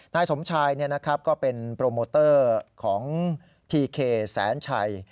นายสมชายก็เป็นโปรโมเตอร์ของพีเคแสนชัย